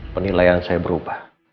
penilaian saya berubah